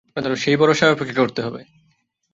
সেই ভরসায় যদি থাকেন তা হলে অনন্তকাল অপেক্ষা করতে হবে।